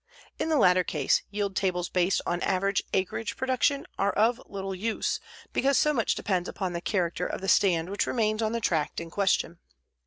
In the latter case, yield tables based on average acreage production are of little use because so much depends upon the character of the stand which remains on the tract in question.